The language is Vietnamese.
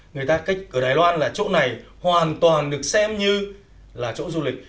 người ta ở đài loan là chỗ này hoàn toàn được xem như là chỗ du lịch